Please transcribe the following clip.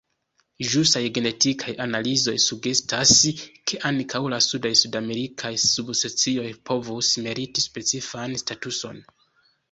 Ĵusaj genetikaj analizoj sugestas, ke ankaŭ la sudaj sudamerikaj subspecioj povus meriti specifan statuson.